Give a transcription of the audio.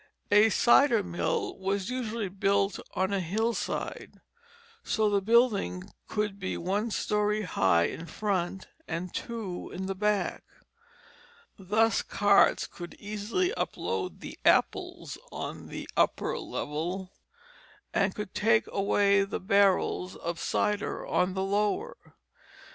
A cider mill was usually built on a hillside so the building could be one story high in front and two in the back. Thus carts could easily unload the apples on the upper level and take away the barrels of cider on the lower.